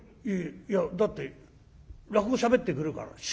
「えっいやだって落語しゃべってくるから」。